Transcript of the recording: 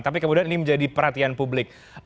tapi kemudian ini menjadi perhatian publik